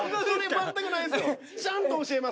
全くないですよ。